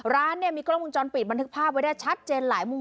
ร้านเนี่ยมีกล้องวงจรปิดบันทึกภาพไว้ได้ชัดเจนหลายมุม